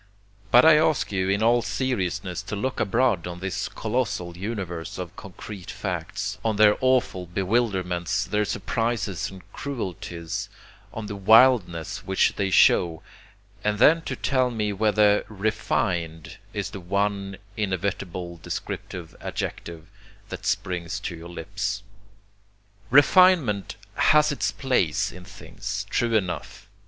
But I ask you in all seriousness to look abroad on this colossal universe of concrete facts, on their awful bewilderments, their surprises and cruelties, on the wildness which they show, and then to tell me whether 'refined' is the one inevitable descriptive adjective that springs to your lips. Refinement has its place in things, true enough.